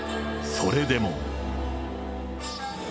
それでも。